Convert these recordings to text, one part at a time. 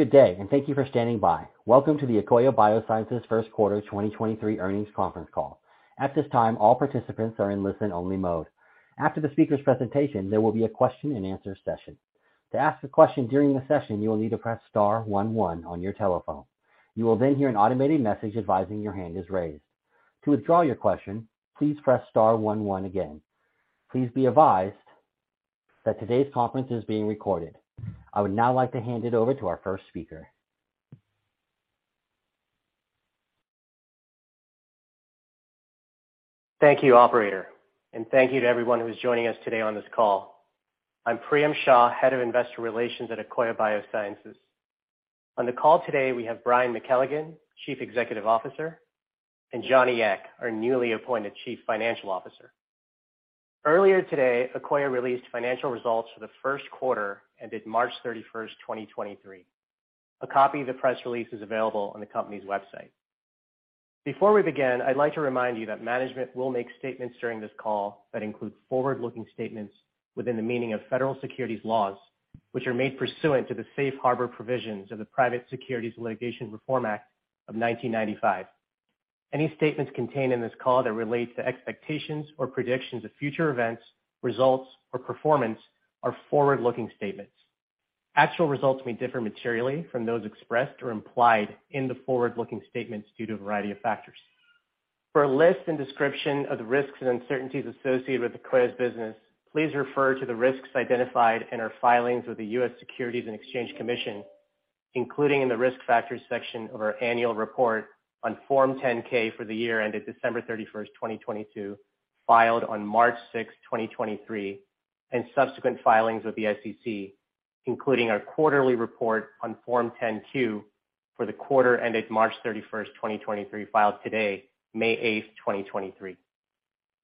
Good day, and thank you for standing by. Welcome to the Akoya Biosciences Q1 2023 earnings conference call. At this time, all participants are in listen-only mode. After the speakers' presentation, there will be a question-and-answer session. To ask a question during the session, you will need to press star one one on your telephone. You will then hear an automated message advising your hand is raised. To withdraw your question, please press star one one again. Please be advised that today's conference is being recorded. I would now like to hand it over to our first speaker. Thank you, operator. Thank you to everyone who's joining us today on this call. I'm Priyam Shah, Head of Investor Relations at Akoya Biosciences. On the call today, we have Brian McKelligon, Chief Executive Officer, and Johnny Ek, our newly appointed Chief Financial Officer. Earlier today, Akoya released financial results for the Q1 ended March 31, 2023. A copy of the press release is available on the company's website. Before we begin, I'd like to remind you that management will make statements during this call that include forward-looking statements within the meaning of federal securities laws, which are made pursuant to the Safe Harbor provisions of the Private Securities Litigation Reform Act of 1995. Any statements contained in this call that relate to expectations or predictions of future events, results, or performance are forward-looking statements. Actual results may differ materially from those expressed or implied in the forward-looking statements due to a variety of factors. For a list and description of the risks and uncertainties associated with Akoya's business, please refer to the risks identified in our filings with the US Securities and Exchange Commission, including in the Risk Factors section of our annual report on Form 10-K for the year ended December 31st, 2022, filed on March 6th, 2023, and subsequent filings with the SEC, including our quarterly report on Form 10-Q for the quarter ended March 31st, 2023, filed today, May 8th, 2023.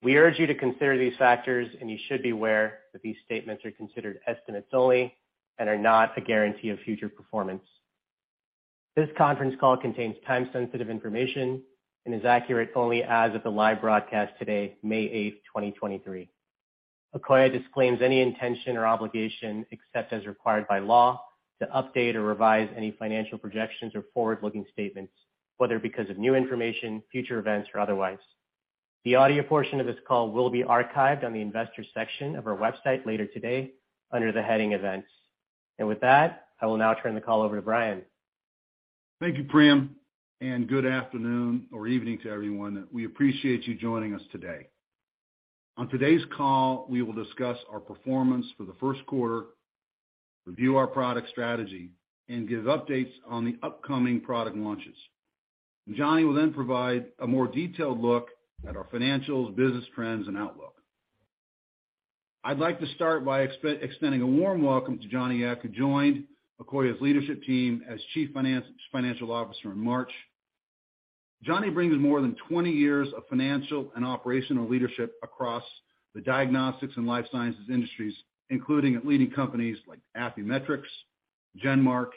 We urge you to consider these factors, and you should be aware that these statements are considered estimates only and are not a guarantee of future performance. This conference call contains time-sensitive information and is accurate only as of the live broadcast today, May 8th, 2023. Akoya disclaims any intention or obligation, except as required by law, to update or revise any financial projections or forward-looking statements, whether because of new information, future events, or otherwise. The audio portion of this call will be archived on the Investors section of our website later today under the heading Events. With that, I will now turn the call over to Brian. Thank you, Priyam, and good afternoon or evening to everyone. We appreciate you joining us today. On today's call, we will discuss our performance for the Q1, review our product strategy, and give updates on the upcoming product launches. Johnny will then provide a more detailed look at our financials, business trends, and outlook. I'd like to start by extending a warm welcome to Johnny Ek, who joined Akoya's leadership team as Chief Financial Officer in March. Johnny brings more than 20 years of financial and operational leadership across the diagnostics and life sciences industries, including at leading companies like Affymetrix, GenMark,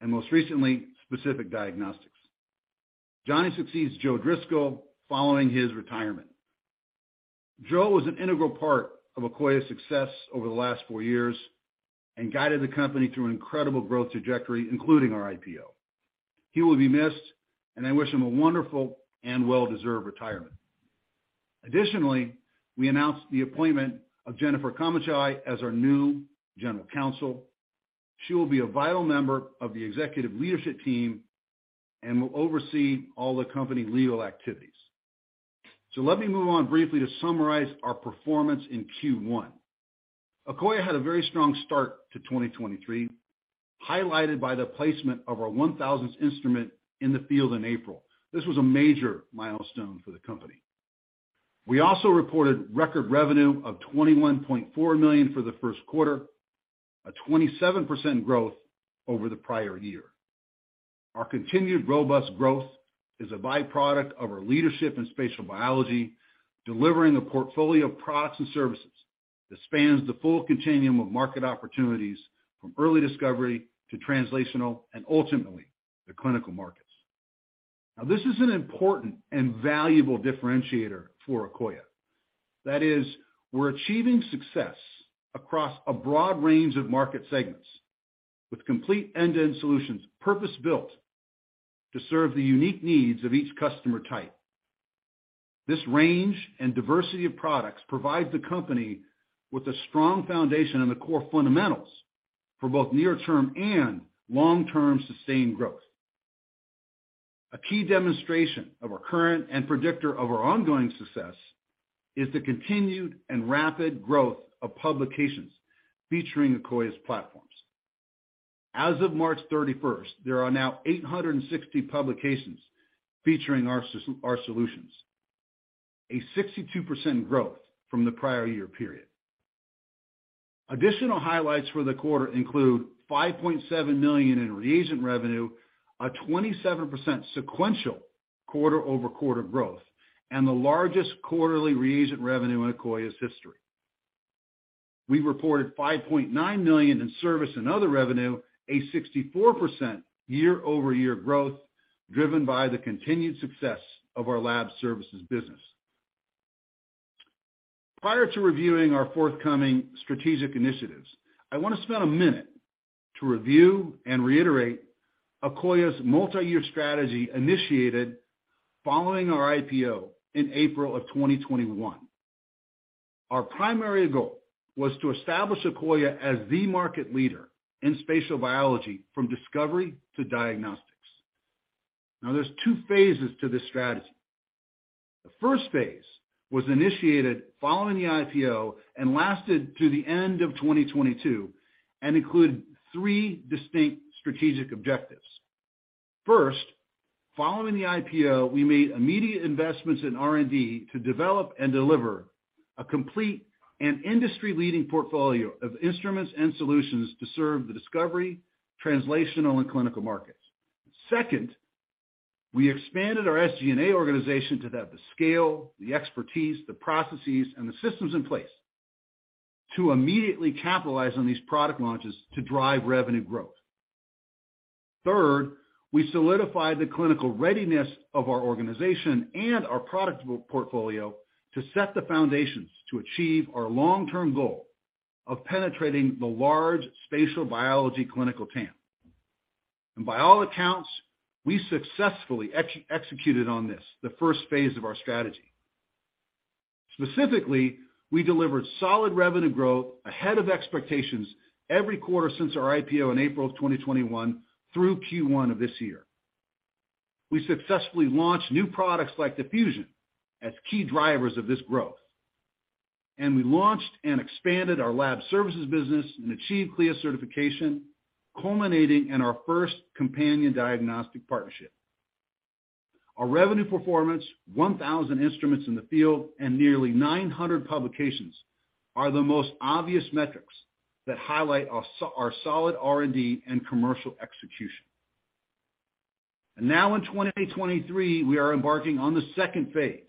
and most recently, Specific Diagnostics. Johnny succeeds Joe Driscoll following his retirement. Joe was an integral part of Akoya's success over the last four years and guided the company through an incredible growth trajectory, including our IPO. He will be missed, and I wish him a wonderful and well-deserved retirement. Additionally, we announced the appointment of Jennifer Kamocsay as our new general counsel. She will be a vital member of the executive leadership team and will oversee all the company legal activities. Let me move on briefly to summarize our performance in Q1. Akoya had a very strong start to 2023, highlighted by the placement of our 1,000th instrument in the field in April. This was a major milestone for the company. We also reported record revenue of $21.4 million for the Q1, a 27% growth over the prior year. Our continued robust growth is a byproduct of our leadership in spatial biology, delivering a portfolio of products and services that spans the full continuum of market opportunities from early discovery to translational and ultimately the clinical markets. This is an important and valuable differentiator for Akoya. That is, we're achieving success across a broad range of market segments with complete end-to-end solutions, purpose-built to serve the unique needs of each customer type. This range and diversity of products provides the company with a strong foundation in the core fundamentals for both near-term and long-term sustained growth. A key demonstration of our current and predictor of our ongoing success is the continued and rapid growth of publications featuring Akoya's platforms. As of March 31st, there are now 860 publications featuring our solutions, a 62% growth from the prior year period. Additional highlights for the quarter include $5.7 million in reagent revenue, a 27% sequential quarter-over-quarter growth, and the largest quarterly reagent revenue in Akoya's history. We reported $5.9 million in service and other revenue, a 64% year-over-year growth driven by the continued success of our lab services business. Prior to reviewing our forthcoming strategic initiatives, I wanna spend a minute to review and reiterate Akoya's multi-year strategy initiated following our IPO in April of 2021. Our primary goal was to establish Akoya as the market leader in spatial biology from discovery to diagnostics. Now, there's two phases to this strategy. The first phase was initiated following the IPO and lasted to the end of 2022, and included three distinct strategic objectives. First, following the IPO, we made immediate investments in R&D to develop and deliver a complete and industry-leading portfolio of instruments and solutions to serve the discovery, translational, and clinical markets. Second, we expanded our SG&A organization to have the scale, the expertise, the processes, and the systems in place to immediately capitalize on these product launches to drive revenue growth. Third, we solidified the clinical readiness of our organization and our product portfolio to set the foundations to achieve our long-term goal of penetrating the large spatial biology clinical TAM. By all accounts, we successfully executed on this, the first phase of our strategy. Specifically, we delivered solid revenue growth ahead of expectations every quarter since our IPO in April of 2021 through Q1 of this year. We successfully launched new products like the Fusion as key drivers of this growth. We launched and expanded our lab services business and achieved CLIA certification, culminating in our first companion diagnostic partnership. Our revenue performance, 1,000 instruments in the field, and nearly 900 publications are the most obvious metrics that highlight our solid R&D and commercial execution. In 2023, we are embarking on the second phase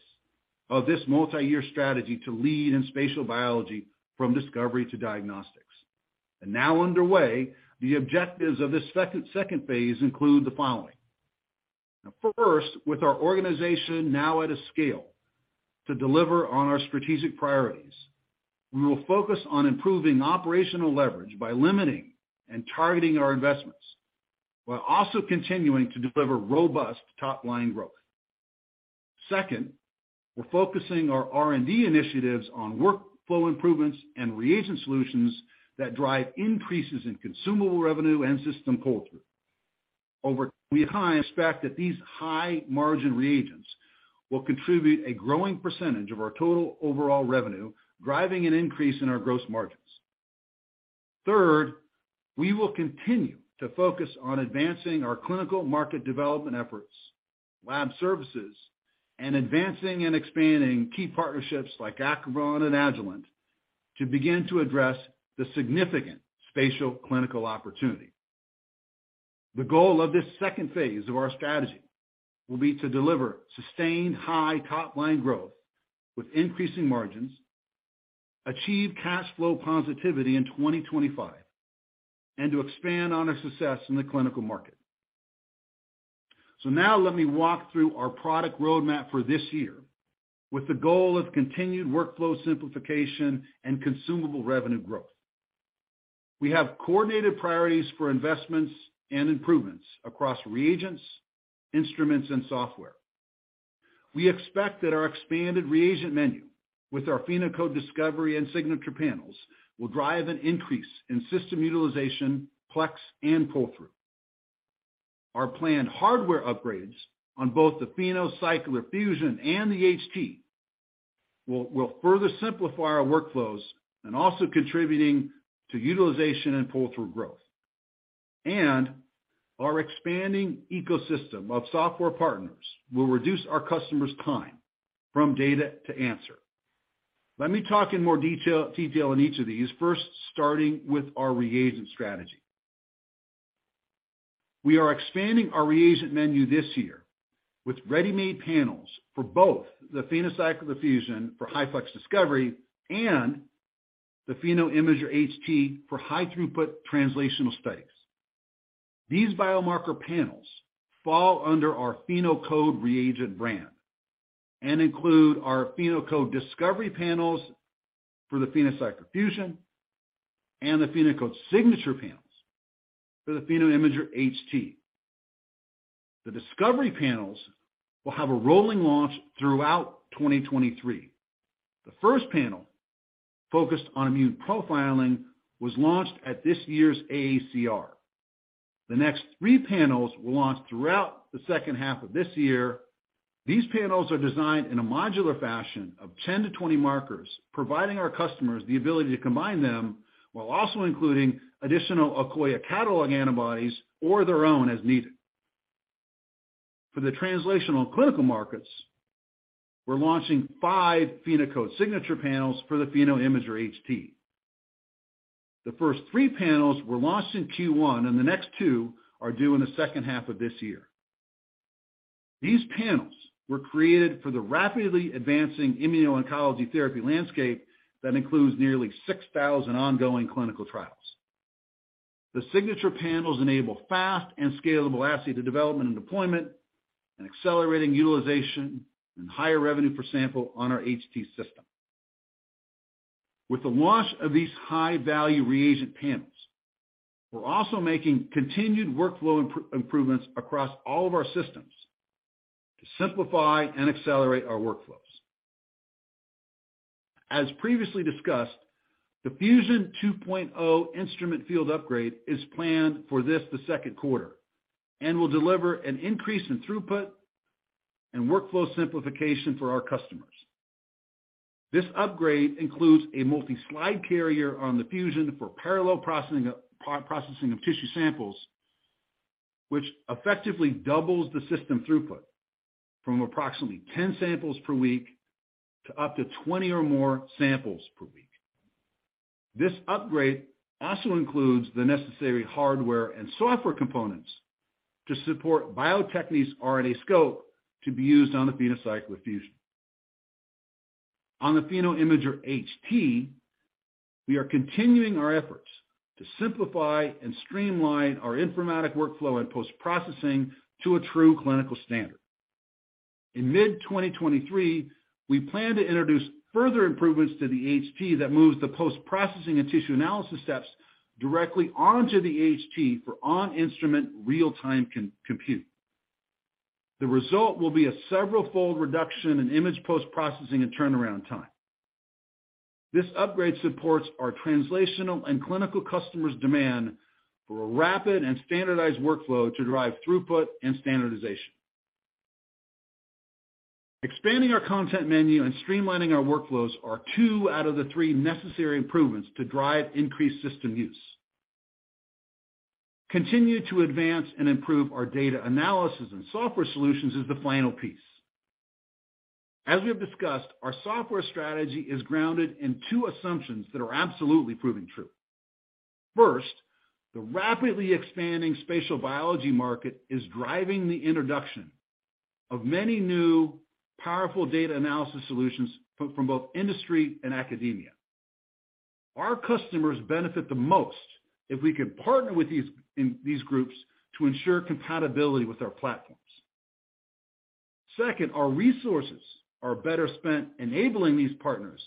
of this multi-year strategy to lead in spatial biology from discovery to diagnostics. Underway, the objectives of this second phase include the following. First, with our organization now at a scale to deliver on our strategic priorities, we will focus on improving operational leverage by limiting and targeting our investments, while also continuing to deliver robust top-line growth. Second, we're focusing our R&D initiatives on workflow improvements and reagent solutions that drive increases in consumable revenue and system pull-through. Over time, we expect that these high-margin reagents will contribute a growing percentage of our total overall revenue, driving an increase in our gross margins. Third, we will continue to focus on advancing our clinical market development efforts, lab services, and advancing and expanding key partnerships like Acrivon and Agilent to begin to address the significant spatial clinical opportunity. The goal of this second phase of our strategy will be to deliver sustained high top-line growth with increasing margins, achieve cash flow positivity in 2025, and to expand on our success in the clinical market. Now let me walk through our product roadmap for this year with the goal of continued workflow simplification and consumable revenue growth. We have coordinated priorities for investments and improvements across reagents, instruments, and software. We expect that our expanded reagent menu with our PhenoCode Discovery and Signature panels will drive an increase in system utilization, plex, and pull-through. Our planned hardware upgrades on both the PhenoCycler-Fusion and the HT will further simplify our workflows and also contributing to utilization and pull-through growth. Our expanding ecosystem of software partners will reduce our customers' time from data to answer. Let me talk in more detail on each of these, first starting with our reagent strategy. We are expanding our reagent menu this year with ready-made panels for both the PhenoCycler-Fusion for high-plex discovery and the PhenoImager HT for high-throughput translational studies. These biomarker panels fall under our PhenoCode Reagent brand and include our PhenoCode Discovery panels for the PhenoCycler-Fusion and the PhenoCode Signature panels for the PhenoImager HT. The Discovery panels will have a rolling launch throughout 2023. The first panel, focused on immune profiling, was launched at this year's AACR. The next three panels will launch throughout the H2 of this year. These panels are designed in a modular fashion of 10-20 markers, providing our customers the ability to combine them while also including additional Akoya catalog antibodies or their own as needed. For the translational and clinical markets, we're launching five PhenoCode Signature Panels for the PhenoImager HT. The first three panels were launched in Q1, and the next two are due in the H2 of this year. These panels were created for the rapidly advancing immuno-oncology therapy landscape that includes nearly 6,000 ongoing clinical trials. The signature panels enable fast and scalable asset development and deployment and accelerating utilization and higher revenue per sample on our HT system. With the launch of these high-value reagent panels, we're also making continued workflow improvements across all of our systems to simplify and accelerate our workflows. As previously discussed, the Fusion 2.0 instrument field upgrade is planned for this, the Q2, and will deliver an increase in throughput and workflow simplification for our customers. This upgrade includes a multi-slide carrier on the Fusion for parallel processing of tissue samples, which effectively doubles the system throughput from approximately 10 samples per week to up to 20 or more samples per week. This upgrade also includes the necessary hardware and software components to support Bio-Techne's RNAscope to be used on the PhenoCycler-Fusion. On the PhenoImager HT, we are continuing our efforts to simplify and streamline our informatic workflow and post-processing to a true clinical standard. In mid-2023, we plan to introduce further improvements to the HT that moves the post-processing and tissue analysis steps directly onto the HT for on-instrument real-time compute. The result will be a several-fold reduction in image post-processing and turnaround time. This upgrade supports our translational and clinical customers' demand for a rapid and standardized workflow to drive throughput and standardization. Expanding our content menu and streamlining our workflows are two out of the three necessary improvements to drive increased system use. Continue to advance and improve our data analysis and software solutions is the final piece. As we have discussed, our software strategy is grounded in two assumptions that are absolutely proving true. First, the rapidly expanding spatial biology market is driving the introduction of many new powerful data analysis solutions from both industry and academia. Our customers benefit the most if we can partner with these groups to ensure compatibility with our platforms. Our resources are better spent enabling these partners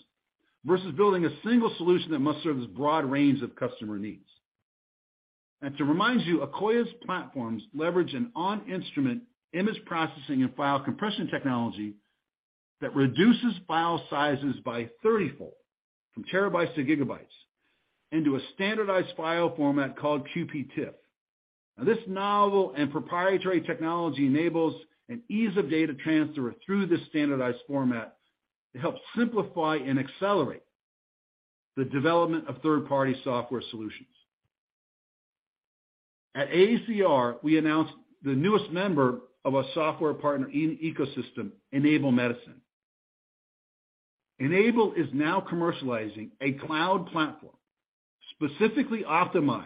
versus building a single solution that must serve this broad range of customer needs. To remind you, Akoya's platforms leverage an on-instrument image processing and file compression technology that reduces file sizes by 30-fold, from terabytes to gigabytes, into a standardized file format called QPTIFF. This novel and proprietary technology enables an ease of data transfer through this standardized format to help simplify and accelerate the development of third-party software solutions. At AACR, we announced the newest member of our software partner in ecosystem, Enable Medicine. Enable is now commercializing a cloud platform specifically optimized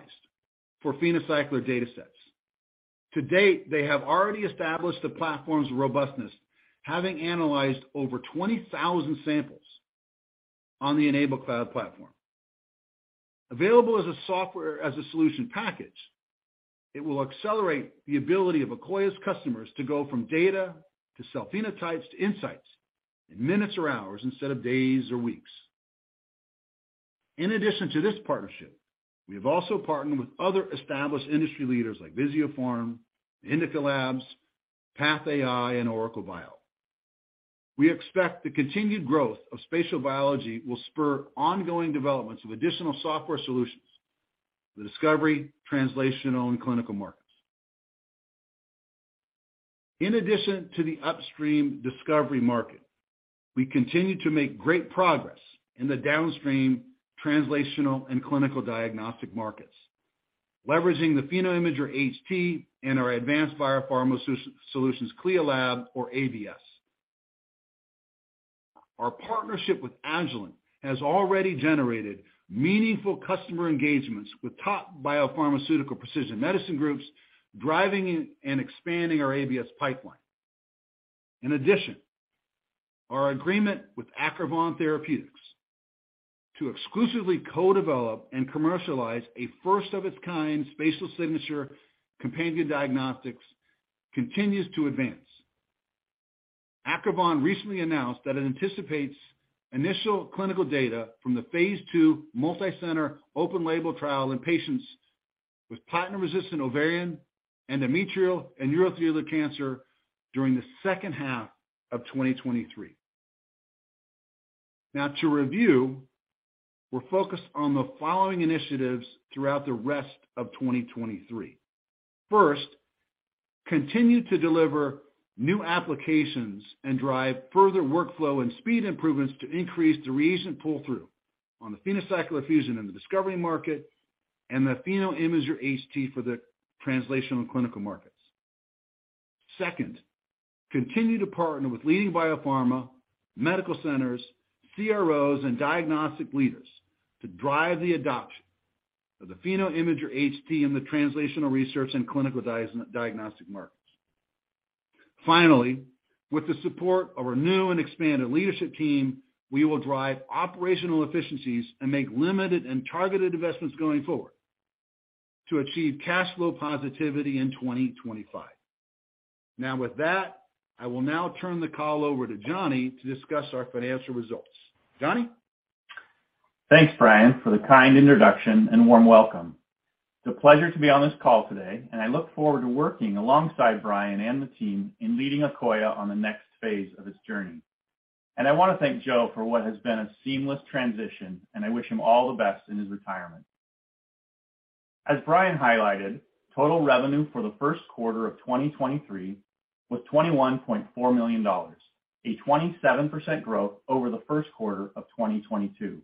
for PhenoCycler datasets. To date, they have already established the platform's robustness, having analyzed over 20,000 samples on the Enable cloud platform. Available as a software as a solution package, it will accelerate the ability of Akoya's customers to go from data to cell phenotypes to insights in minutes or hours instead of days or weeks. In addition to this partnership, we have also partnered with other established industry leaders like Visiopharm, Indica Labs, PathAI, and OracleBio. We expect the continued growth of spatial biology will spur ongoing developments of additional software solutions, the discovery, translational, and clinical markets. In addition to the upstream discovery market, we continue to make great progress in the downstream translational and clinical diagnostic markets, leveraging the PhenoImager HT and our Advanced Biopharma Solutions CLIA Lab or ABS. Our partnership with Agilent has already generated meaningful customer engagements with top biopharmaceutical precision medicine groups, driving and expanding our ABS pipeline. In addition, our agreement with Acrivon Therapeutics to exclusively co-develop and commercialize a first of its kind spatial signature companion diagnostics continues to advance. Acrivon recently announced that it anticipates initial clinical data from the phase II multi-center open label trial in patients with platinum-resistant ovarian, endometrial, and urothelial cancer during the H2 of 2023. Now to review, we're focused on the following initiatives throughout the rest of 2023. First, continue to deliver new applications and drive further workflow and speed improvements to increase the reagent pull-through on the PhenoCycler-Fusion in the discovery market and the PhenoImager HT for the translational and clinical markets. Second, continue to partner with leading biopharma, medical centers, CROs, and diagnostic leaders to drive the adoption of the PhenoImager HT in the translational research and clinical diagnostic markets. Finally, with the support of our new and expanded leadership team, we will drive operational efficiencies and make limited and targeted investments going forward to achieve cash flow positivity in 2025. With that, I will now turn the call over to Johnny to discuss our financial results. Johnny? Thanks, Brian, for the kind introduction and warm welcome. It's a pleasure to be on this call today, and I look forward to working alongside Brian and the team in leading Akoya Biosciences on the next phase of its journey. I wanna thank Joe for what has been a seamless transition, and I wish him all the best in his retirement. As Brian highlighted, total revenue for the Q1 of 2023 was $21.4 million, a 27% growth over the Q1 of 2022.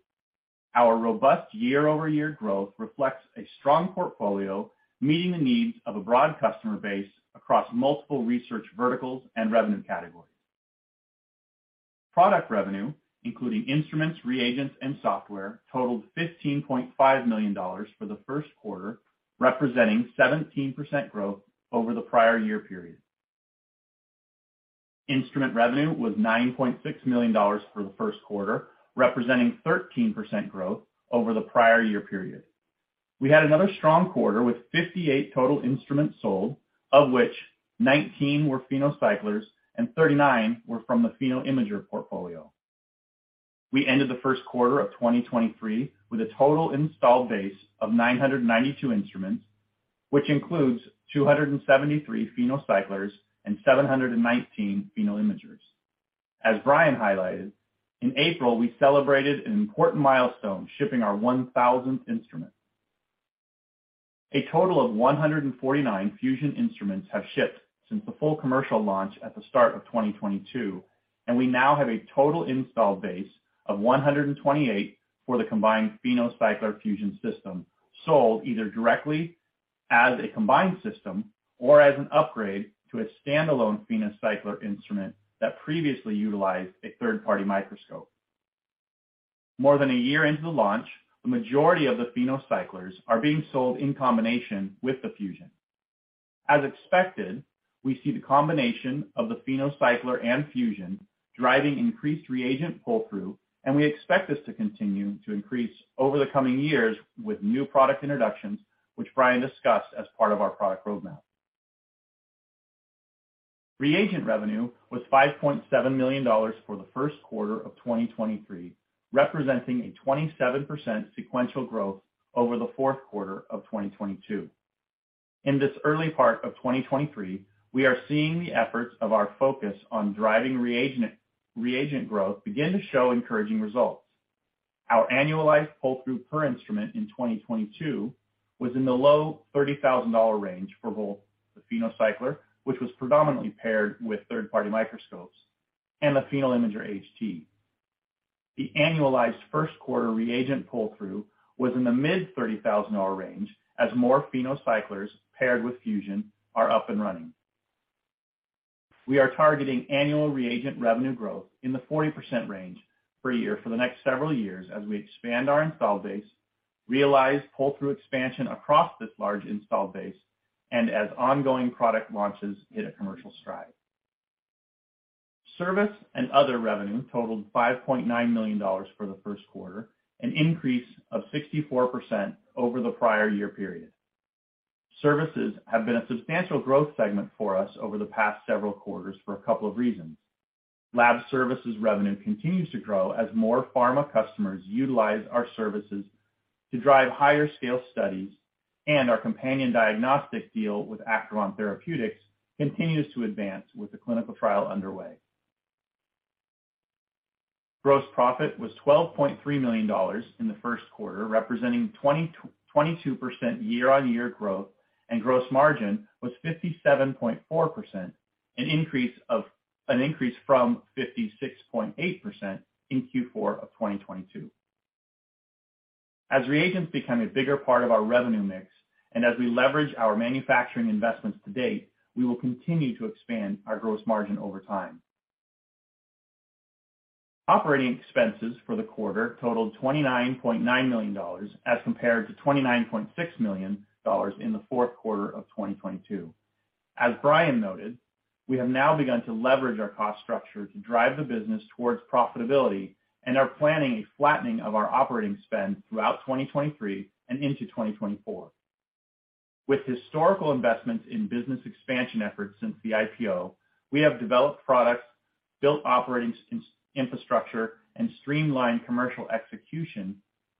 Our robust year-over-year growth reflects a strong portfolio, meeting the needs of a broad customer base across multiple research verticals and revenue categories. Product revenue, including instruments, reagents, and software, totaled $15.5 million for the Q1, representing 17% growth over the prior year period. Instrument revenue was $9.6 million for the Q1, representing 13% growth over the prior year period. We had another strong quarter with 58 total instruments sold, of which 19 were PhenoCyclers and 39 were from the PhenoImager portfolio. We ended the Q1 of 2023 with a total installed base of 992 instruments, which includes 273 PhenoCyclers and 719 PhenoImagers. As Brian highlighted, in April, we celebrated an important milestone, shipping our 1,000th instrument. A total of 149 Fusion instruments have shipped since the full commercial launch at the start of 2022. We now have a total installed base of 128 for the combined PhenoCycler-Fusion system, sold either directly as a combined system or as an upgrade to a standalone PhenoCycler instrument that previously utilized a third-party microscope. More than a year into the launch, the majority of the PhenoCyclers are being sold in combination with the Fusion. As expected, we see the combination of the PhenoCycler and Fusion driving increased reagent pull-through. We expect this to continue to increase over the coming years with new product introductions, which Brian discussed as part of our product roadmap. Reagent revenue was $5.7 million for the Q1 of 2023, representing a 27% sequential growth over the Q4 of 2022. In this early part of 2023, we are seeing the efforts of our focus on driving reagent growth begin to show encouraging results. Our annualized pull-through per instrument in 2022 was in the low $30,000 range for both the PhenoCycler, which was predominantly paired with third-party microscopes, and the PhenoImager HT. The annualized Q1 reagent pull-through was in the mid $30,000 range as more PhenoCyclers paired with Fusion are up and running. We are targeting annual reagent revenue growth in the 40% range per year for the next several years as we expand our installed base, realize pull-through expansion across this large installed base, and as ongoing product launches hit a commercial stride. Service and other revenue totaled $5.9 million for the Q1, an increase of 64% over the prior year period. Services have been a substantial growth segment for us over the past several quarters for a couple of reasons. Lab services revenue continues to grow as more pharma customers utilize our services to drive higher scale studies, and our companion diagnostic deal with Acrivon Therapeutics continues to advance with the clinical trial underway. Gross profit was $12.3 million in the Q1, representing 22% year-over-year growth, and gross margin was 57.4%, an increase from 56.8% in Q4 of 2022. As reagents become a bigger part of our revenue mix, and as we leverage our manufacturing investments to date, we will continue to expand our gross margin over time. Operating expenses for the quarter totaled $29.9 million as compared to $29.6 million in the Q4 of 2022. As Brian noted, we have now begun to leverage our cost structure to drive the business towards profitability and are planning a flattening of our operating spend throughout 2023 and into 2024. With historical investments in business expansion efforts since the IPO, we have developed products, built operating infrastructure, and streamlined commercial execution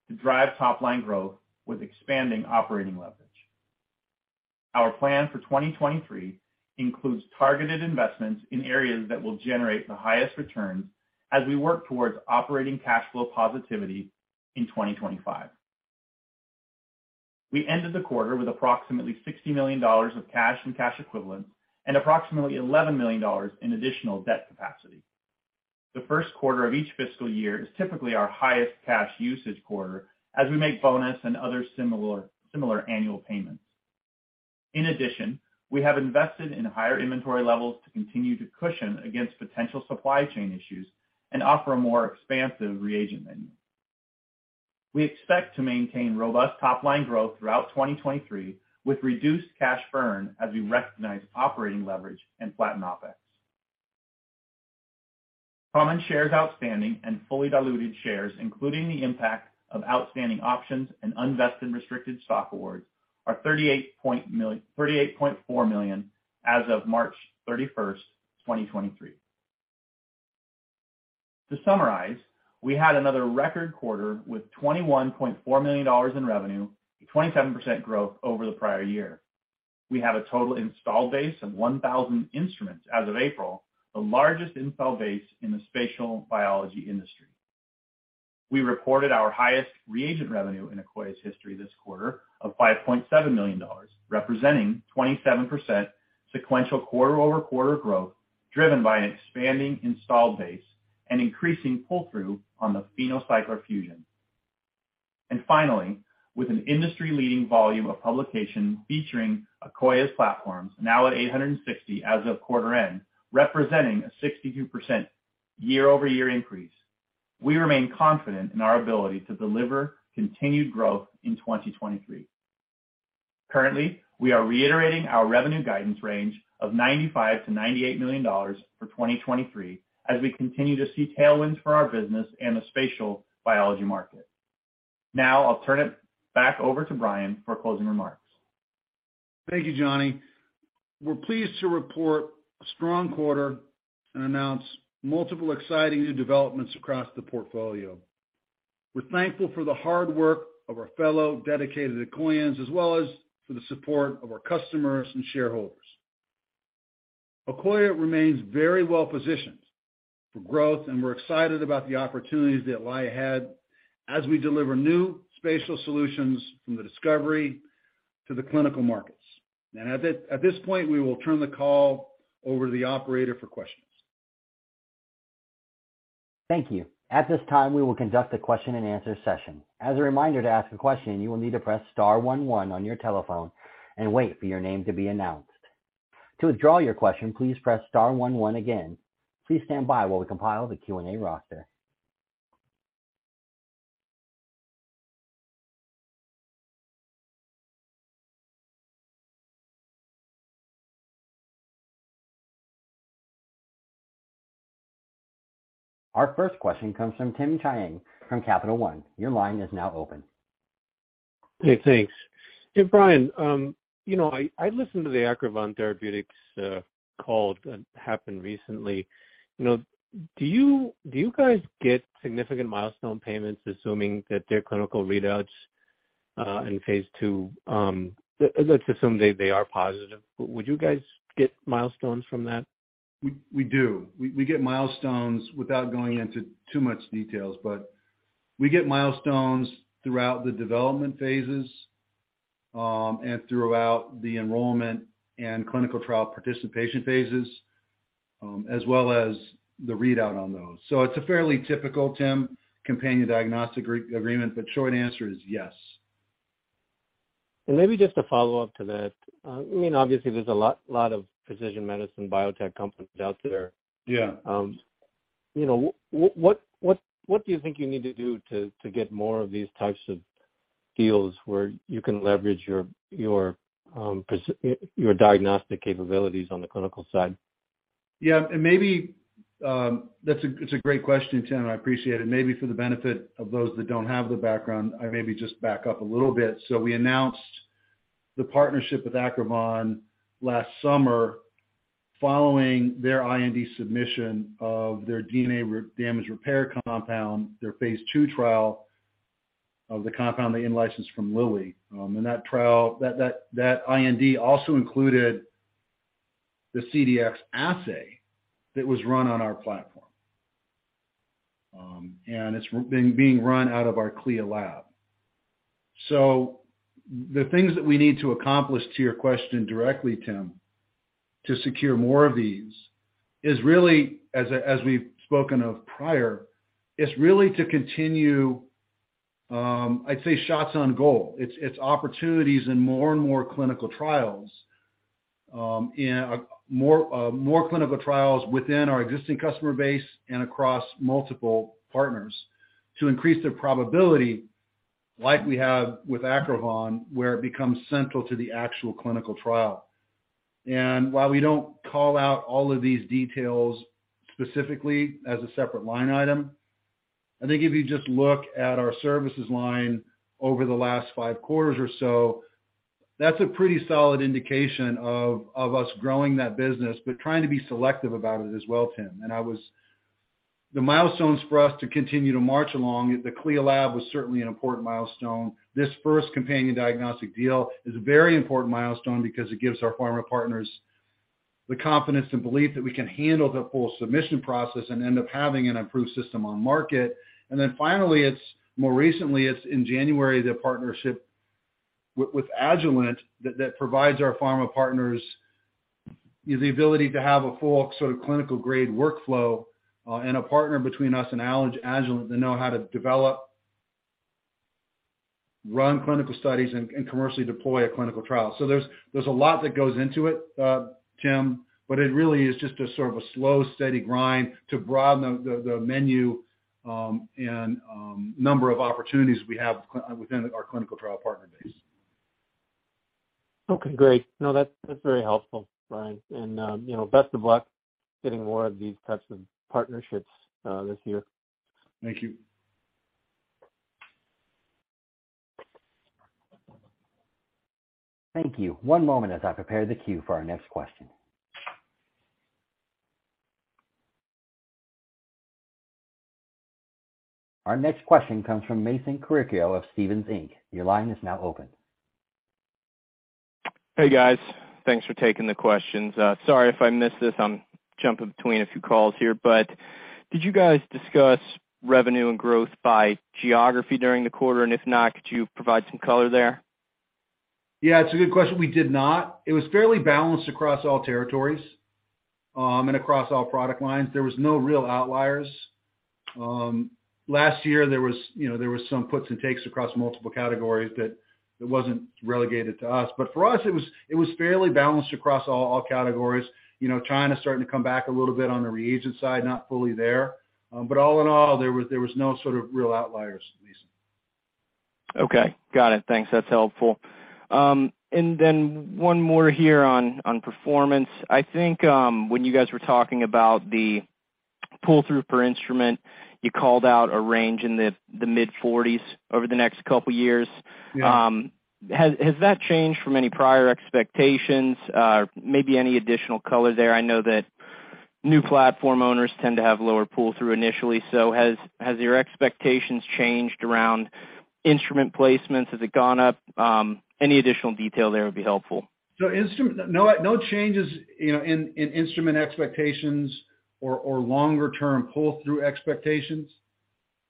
to drive top-line growth with expanding operating leverage. Our plan for 2023 includes targeted investments in areas that will generate the highest returns as we work towards operating cash flow positivity in 2025. We ended the quarter with approximately $60 million of cash and cash equivalents and approximately $11 million in additional debt capacity. The Q1 of each fiscal year is typically our highest cash usage quarter as we make bonus and other similar annual payments. In addition, we have invested in higher inventory levels to continue to cushion against potential supply chain issues and offer a more expansive reagent menu. We expect to maintain robust top-line growth throughout 2023, with reduced cash burn as we recognize operating leverage and flatten OpEx. Common shares outstanding and fully diluted shares, including the impact of outstanding options and unvested restricted stock awards, are 38.4 million as of March 31st, 2023. To summarize, we had another record quarter with $21.4 million in revenue, a 27% growth over the prior year. We have a total installed base of 1,000 instruments as of April, the largest install base in the spatial biology industry. We reported our highest reagent revenue in Akoya's history this quarter of $5.7 million, representing 27% sequential quarter-over-quarter growth, driven by an expanding installed base and increasing pull-through on the PhenoCycler-Fusion. Finally, with an industry-leading volume of publication featuring Akoya's platforms, now at 860 as of quarter end, representing a 62% year-over-year increase, we remain confident in our ability to deliver continued growth in 2023. Currently, we are reiterating our revenue guidance range of $95 million-$98 million for 2023 as we continue to see tailwinds for our business and the spatial biology market. Now I'll turn it back over to Brian for closing remarks. Thank you, Johnny. We're pleased to report a strong quarter and announce multiple exciting new developments across the portfolio. We're thankful for the hard work of our fellow dedicated Akoyans as well as for the support of our customers and shareholders. Akoya remains very well positioned for growth, and we're excited about the opportunities that lie ahead as we deliver new spatial solutions from the discovery to the clinical markets. At this point, we will turn the call over to the operator for questions. Thank you. At this time, we will conduct a question-and-answer session. As a reminder, to ask a question, you will need to press star one one on your telephone and wait for your name to be announced. To withdraw your question, please press star one one again. Please stand by while we compile the Q&A roster. Our first question comes from Tim Chiang from Capital One. Your line is now open. Hey, thanks. Hey, Brian, you know, I listened to the Acrivon Therapeutics call that happened recently. You know, do you, do you guys get significant milestone payments, assuming that their clinical readouts in phase II? Let's assume they are positive. Would you guys get milestones from that? We do. We get milestones without going into too much details, but we get milestones throughout the development phases, and throughout the enrollment and clinical trial participation phases, as well as the readout on those. It's a fairly typical, Tim, companion diagnostic agreement, but short answer is yes. Maybe just a follow-up to that. I mean, obviously there's a lot of precision medicine biotech companies out there. Yeah. You know, what do you think you need to do to get more of these types of deals, where you can leverage your diagnostic capabilities on the clinical side? Yeah. Maybe that's a great question, Tim. I appreciate it. Maybe for the benefit of those that don't have the background, I maybe just back up a little bit. We announced the partnership with Acrivon last summer following their IND submission of their DNA damage repair compound, their phase II trial of the compound they in-licensed from Lilly. That trial, that IND also included the CDX assay that was run on our platform. It's being run out of our CLIA lab. The things that we need to accomplish, to your question directly, Tim, to secure more of these is really, as we've spoken of prior, is really to continue, I'd say shots on goal. It's opportunities in more and more clinical trials, in a more clinical trials within our existing customer base and across multiple partners to increase their probability, like we have with Acrivon, where it becomes central to the actual clinical trial. While we don't call out all of these details specifically as a separate line item, I think if you just look at our services line over the last five quarters or so, that's a pretty solid indication of us growing that business, but trying to be selective about it as well, Tim. The milestones for us to continue to march along, the CLIA lab was certainly an important milestone. This first companion diagnostic deal is a very important milestone because it gives our pharma partners the confidence and belief that we can handle the full submission process and end up having an approved system on market. Finally, it's more recently, it's in January, the partnership with Agilent that provides our pharma partners the ability to have a full sort of clinical grade workflow, and a partner between us and Agilent that know how to develop run clinical studies and commercially deploy a clinical trial. There's a lot that goes into it, Tim, but it really is just a sort of a slow, steady grind to broaden the menu, and number of opportunities we have within our clinical trial partner base. Okay, great. No, that's very helpful, Brian. You know, best of luck getting more of these types of partnerships this year. Thank you. Thank you. One moment as I prepare the queue for our next question. Our next question comes from Mason Carrico of Stephens Inc. Your line is now open. Hey, guys. Thanks for taking the questions. Sorry if I missed this. I'm jumping between a few calls here. Did you guys discuss revenue and growth by geography during the quarter? If not, could you provide some color there? Yeah, it's a good question. We did not. It was fairly balanced across all territories, and across all product lines. There was no real outliers. Last year, you know, there was some puts and takes across multiple categories, but it wasn't relegated to us. For us, it was fairly balanced across all categories. You know, China's starting to come back a little bit on the reagent side, not fully there. All in all, there was no sort of real outliers, Mason. Okay. Got it. Thanks. That's helpful. One more here on performance. I think, when you guys were talking about the pull-through per instrument, you called out a range in the mid-40s over the next couple years. Yeah. Has that changed from any prior expectations? Maybe any additional color there. I know that new platform owners tend to have lower pull-through initially. Has your expectations changed around instrument placements? Has it gone up? Any additional detail there would be helpful. No changes, you know, in instrument expectations or longer term pull-through expectations.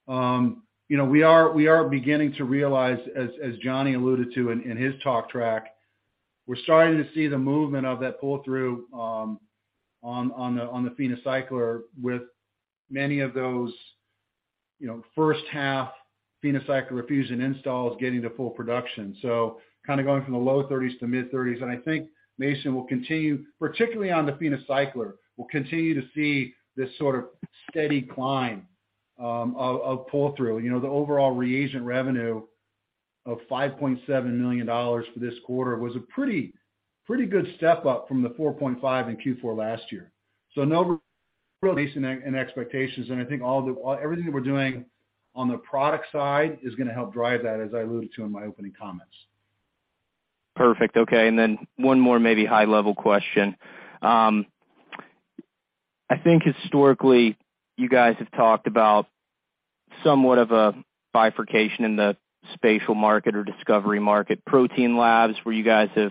You know, we are beginning to realize, as Johnny alluded to in his talk track, we're starting to see the movement of that pull-through on the PhenoCycler with many of those, you know, H1 PhenoCycler-Fusion installs getting to full production. Kinda going from the low thirties to mid-thirties. I think Mason will continue, particularly on the PhenoCycler, we'll continue to see this sort of steady climb of pull-through. You know, the overall reagent revenue of $5.7 million for this quarter was a pretty good step up from the $4.5 million in Q4 last year. No release in expectations. Everything that we're doing on the product side is gonna help drive that, as I alluded to in my opening comments. Perfect. Okay. One more maybe high-level question. I think historically, you guys have talked about somewhat of a bifurcation in the spatial market or discovery market, protein labs, where you guys have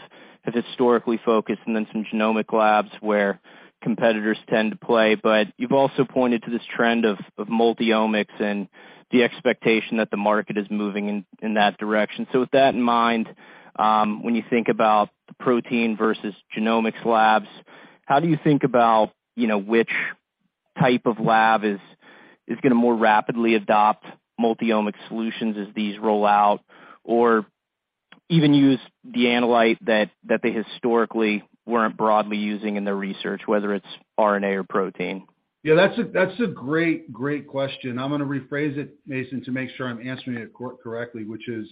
historically focused, and then some genomic labs where competitors tend to play. You've also pointed to this trend of multiomics and the expectation that the market is moving in that direction. With that in mind, when you think about protein versus genomics labs, how do you think about, you know, which type of lab is gonna more rapidly adopt multiomics solutions as these roll out, or even use the analyte that they historically weren't broadly using in their research, whether it's RNA or protein? Yeah, that's a great question. I'm gonna rephrase it, Mason, to make sure I'm answering it correctly, which is,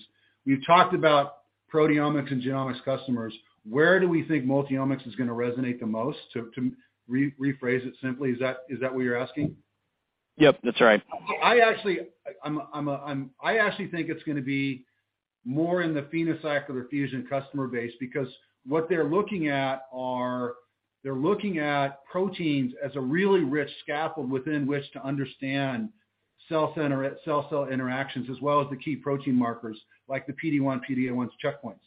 you talked about proteomics and genomics customers. Where do we think multiomics is gonna resonate the most? To rephrase it simply, is that what you're asking? Yep, that's right. I actually think it's gonna be more in the PhenoCycler-Fusion customer base because what they're looking at are, they're looking at proteins as a really rich scaffold within which to understand cell-cell interactions, as well as the key protein markers like the PD-1, PD-L1 checkpoints.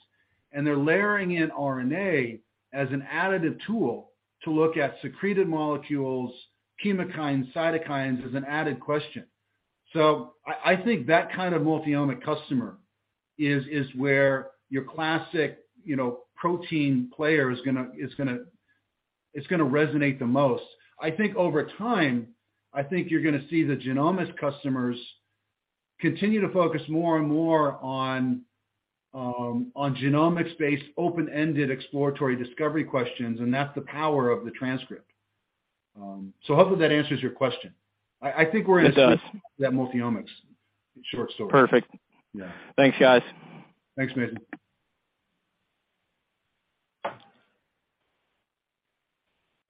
They're layering in RNA as an additive tool to look at secreted molecules, chemokines, cytokines as an added question. I think that kind of multiomic customer is where your classic, you know, protein player is gonna resonate the most. I think over time, I think you're gonna see the genomics customers continue to focus more and more on genomics-based, open-ended exploratory discovery questions, and that's the power of the transcript. Hopefully that answers your question. I think we’re in multi-omics. It does. Perfect. Yeah. Thanks, guys. Thanks, Mason.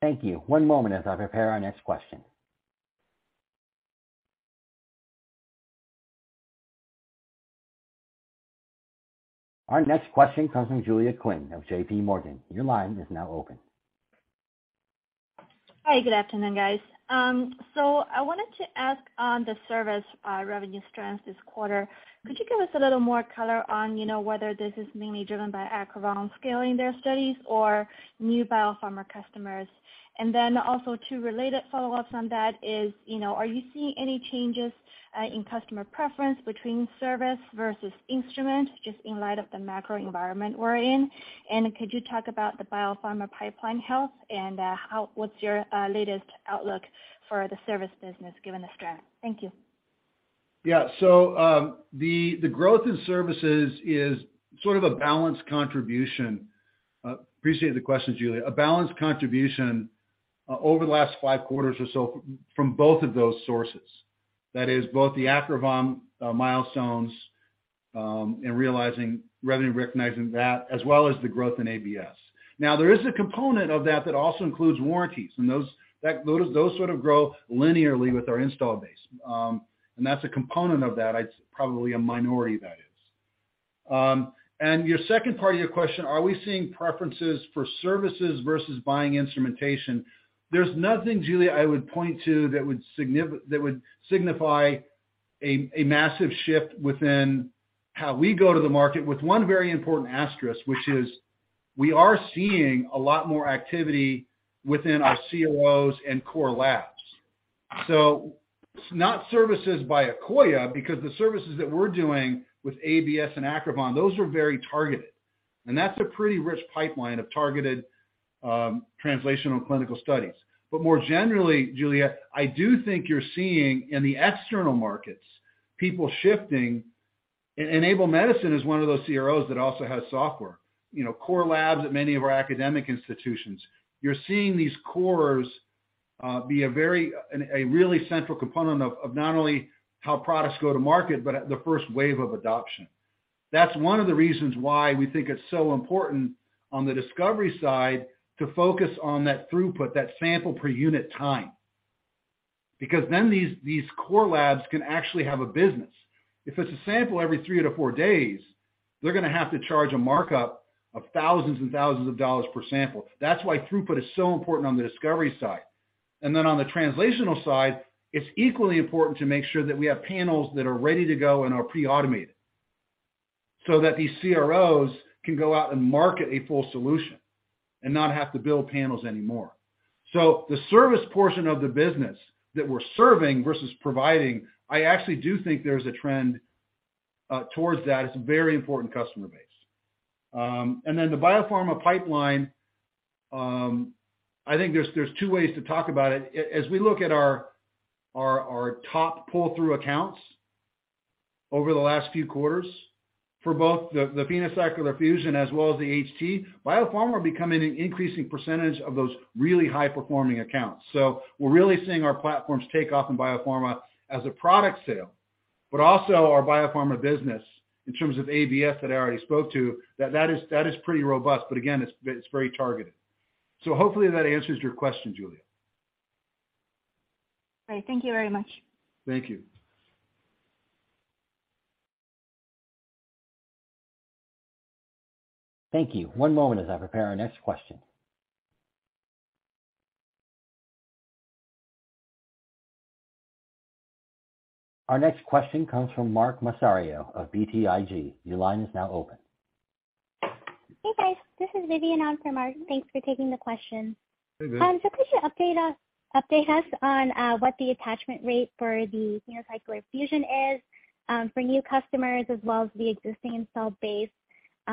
Thank you. One moment as I prepare our next question. Our next question comes from Julia Qin of J.P. Morgan. Your line is now open. Hi, good afternoon, guys. I wanted to ask on the service revenue strands this quarter. Could you give us a little more color on, you know, whether this is mainly driven by Acrivon scaling their studies or new biopharma customers? Also two related follow-ups on that is, you know, are you seeing any changes in customer preference between service versus instrument, just in light of the macro environment we're in? Could you talk about the biopharma pipeline health and what's your latest outlook for the service business given the strength? Thank you. Yeah. The growth in services is sort of a balanced contribution. Appreciate the question, Julia. A balanced contribution over the last five quarters or so from both of those sources. That is both the Acrivon milestones, and realizing, revenue recognizing that as well as the growth in ABS. Now, there is a component of that also includes warranties and those sort of grow linearly with our install base. That's a component of that, it's probably a minority that is. Your second part of your question, are we seeing preferences for services versus buying instrumentation? There's nothing, Julia, I would point to that would signify a massive shift within how we go to the market with one very important asterisk, which is we are seeing a lot more activity within our CROs and core labs. Not services by Akoya, because the services that we're doing with ABS and Acrivon, those are very targeted, and that's a pretty rich pipeline of targeted translational clinical studies. More generally, Julia, I do think you're seeing in the external markets, people shifting. Enable Medicine is one of those CROs that also has software, you know, core labs at many of our academic institutions. You're seeing these cores be a very really central component of not only how products go to market, but at the first wave of adoption. That's one of the reasons why we think it's so important on the discovery side to focus on that throughput, that sample per unit time. Because then these core labs can actually have a business. If it's a sample every three to four days, they're gonna have to charge a markup of thousands and thousands of dollars per sample. That's why throughput is so important on the discovery side. On the translational side, it's equally important to make sure that we have panels that are ready to go and are pre-automated, so that these CROs can go out and market a full solution and not have to build panels anymore. The service portion of the business that we're serving versus providing, I actually do think there's a trend towards that. It's a very important customer base. The biopharma pipeline, I think there's two ways to talk about it. As we look at our top pull-through accounts over the last few quarters for both the PhenoCycler-Fusion as well as the HT, biopharma becoming an increasing percentage of those really high performing accounts. We're really seeing our platforms take off in biopharma as a product sale, but also our biopharma business in terms of ABS that I already spoke to, that is pretty robust, but again, it's very targeted. Hopefully that answers your question, Julia. Great. Thank you very much. Thank you. Thank you. One moment as I prepare our next question. Our next question comes from Mark Massaro of BTIG. Your line is now open. Hey, guys. This is Vivian on for Mark. Thanks for taking the question. Hey, Viv. Could you update us on what the attachment rate for the PhenoCycler-Fusion is for new customers as well as the existing installed base?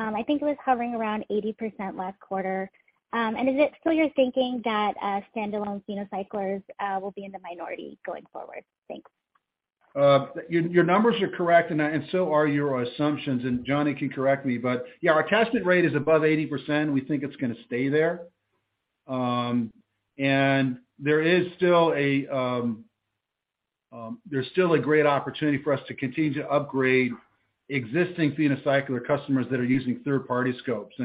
I think it was hovering around 80% last quarter. Is it still your thinking that standalone PhenoCyclers will be in the minority going forward? Thanks. Your numbers are correct, and so are your assumptions, and Johnny can correct me, but yeah, our attachment rate is above 80%. We think it's gonna stay there. There is still a great opportunity for us to continue to upgrade existing PhenoCycler customers that are using third-party scopes.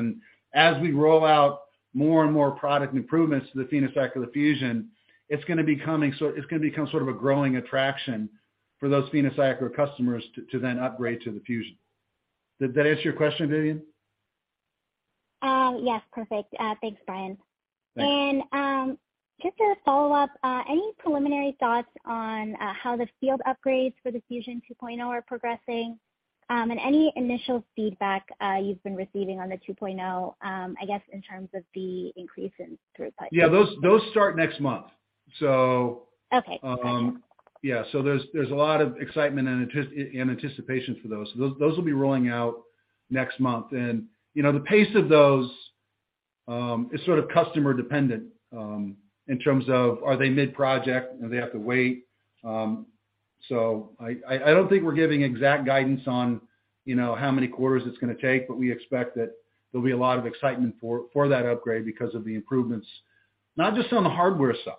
As we roll out more and more product improvements to the PhenoCycler Fusion, it's gonna become sort of a growing attraction for those PhenoCycler customers to then upgrade to the Fusion. Did that answer your question, Vivian? Yes. Perfect. Thanks, Brian. Thanks. Just to follow up, any preliminary thoughts on how the field upgrades for the Fusion 2.0 are progressing, and any initial feedback you've been receiving on the 2.0, I guess in terms of the increase in throughput? Yeah, those start next month, so. Okay. Yeah. There's a lot of excitement and anticipation for those. Those will be rolling out next month. You know, the pace of those is sort of customer dependent in terms of are they mid-project and they have to wait. I don't think we're giving exact guidance on, you know, how many quarters it's gonna take, but we expect that there'll be a lot of excitement for that upgrade because of the improvements, not just on the hardware side,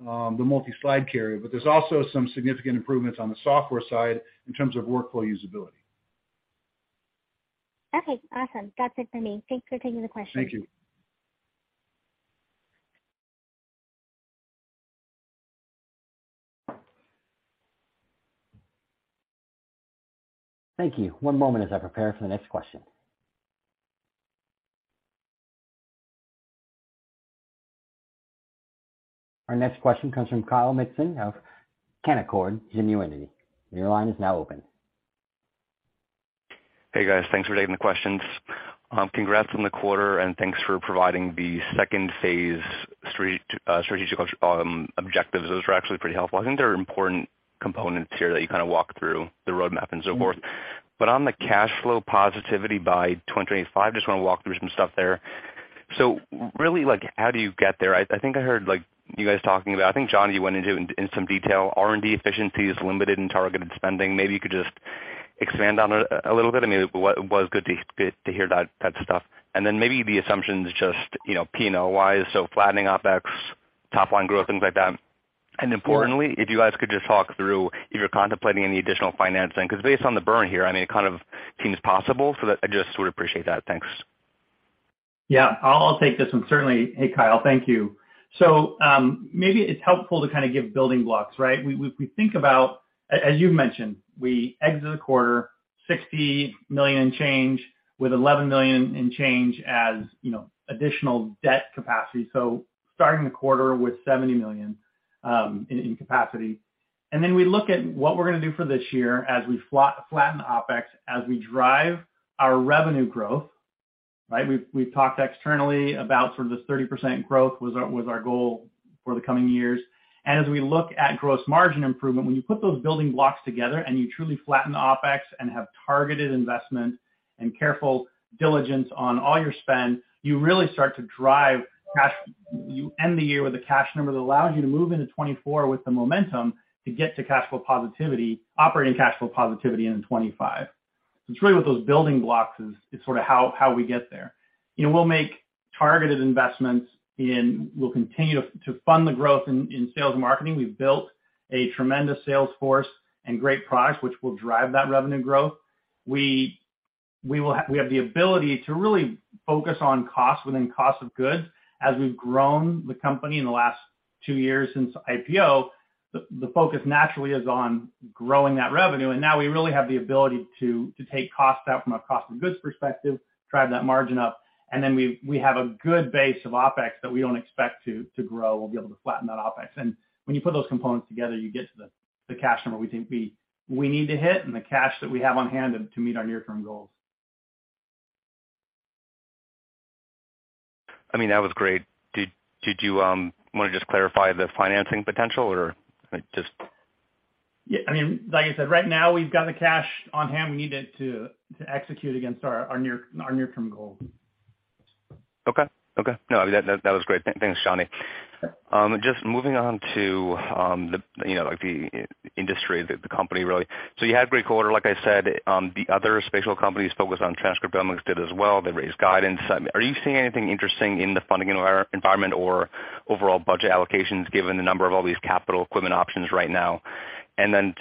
the multi-slide carrier, but there's also some significant improvements on the software side in terms of workflow usability. Okay. Awesome. That's it for me. Thanks for taking the question. Thank you. Thank you. One moment as I prepare for the next question. Our next question comes from Kyle Mikson of Canaccord Genuity. Your line is now open. Hey, guys. Thanks for taking the questions. Congrats on the quarter, thanks for providing the second phase strategic objectives. Those were actually pretty helpful. I think there are important components here that you kind of walk through the roadmap and so forth. On the cash flow positivity by 2025, just wanna walk through some stuff there. Really like how do you get there? I think I heard like you guys talking about. I think, John, you went into in some detail. R&D efficiency is limited and targeted spending. Maybe you could just expand on it a little bit. I mean, it was good to hear that stuff. Maybe the assumptions just, you know, P&L-wise, flattening OpEx, top-line growth, things like that. Importantly, if you guys could just talk through if you're contemplating any additional financing. 'Cause based on the burn here, I mean, it kind of seems possible. That I'd just sort of appreciate that. Thanks. Yeah, I'll take this one, certainly. Hey, Kyle, thank you. Maybe it's helpful to kind of give building blocks, right? We think about As you've mentioned, we exit the quarter $60 million and change with $11 million and change, as, you know, additional debt capacity. Starting the quarter with $70 million in capacity. Then we look at what we're gonna do for this year as we flatten OpEx, as we drive our revenue growth, right? We've talked externally about sort of this 30% growth was our goal for the coming years. As we look at gross margin improvement, when you put those building blocks together and you truly flatten the OpEx and have targeted investment and careful diligence on all your spend, you really start to drive cash. You end the year with a cash number that allows you to move into 2024 with the momentum to get to cash flow positivity, operating cash flow positivity in 2025. It's really what those building blocks is sort of how we get there. You know, we'll make targeted investments, and we'll continue to fund the growth in sales and marketing. We've built a tremendous sales force and great products which will drive that revenue growth. We have the ability to really focus on costs within cost of goods. As we've grown the company in the last two years since IPO, the focus naturally is on growing that revenue, and now we really have the ability to take costs out from a cost of goods perspective, drive that margin up, and then we have a good base of OpEx that we don't expect to grow. We'll be able to flatten that OpEx. When you put those components together, you get to the cash number we think we need to hit and the cash that we have on hand to meet our near-term goals. I mean, that was great. Did you wanna just clarify the financing potential? Or just... Yeah, I mean, like I said, right now we've got the cash on hand we need to execute against our near-term goals. Okay. No, that was great. Thanks, Johnny. Just moving on to, you know, like the industry, the company really. You had great quarter, like I said. The other spatial companies focused on transcriptomics did as well. They raised guidance. Are you seeing anything interesting in the funding environment or overall budget allocations given the number of all these capital equipment options right now?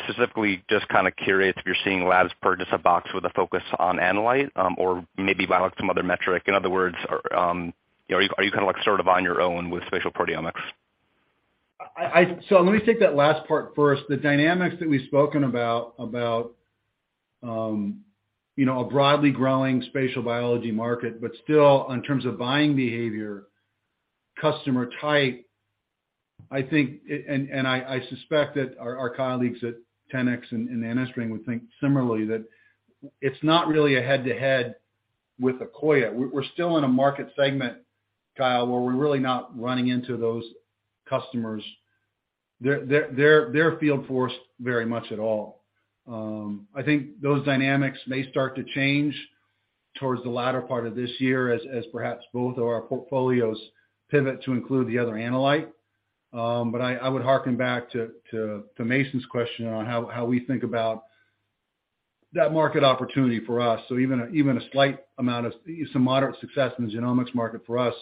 Specifically, just kind of curious if you're seeing labs purchase a box with a focus on analyte, or maybe by like some other metric. In other words, you know, are you kinda like sort of on your own with spatial proteomics? I. Let me take that last part first. The dynamics that we've spoken about, you know, a broadly growing spatial biology market, but still in terms of buying behavior, customer type, I think. I suspect that our colleagues at 10x and NanoString would think similarly that it's not really a head-to-head with Akoya. We're still in a market segment, Kyle, where we're really not running into those customers, their field force very much at all. I think those dynamics may start to change towards the latter part of this year as perhaps both of our portfolios pivot to include the other analyte. I would harken back to Mason's question on how we think about that market opportunity for us. Even a slight amount of... Some moderate success in the genomics market for us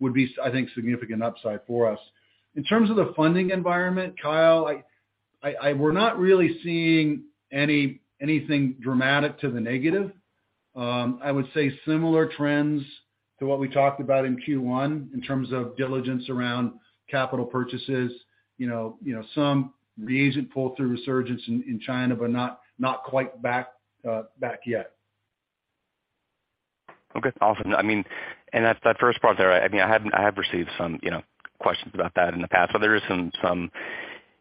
would be, I think, significant upside for us. In terms of the funding environment, Kyle, I, we're not really seeing anything dramatic to the negative. I would say similar trends to what we talked about in Q1 in terms of diligence around capital purchases. You know, some reagent pull-through resurgence in China, but not quite back yet. Okay, awesome. I mean, that first part there, I mean, I have received some, you know, questions about that in the past. There is some,